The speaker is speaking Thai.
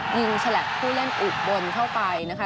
ยิงฉลากผู้แย่งอุบลเข้าไปนะคะ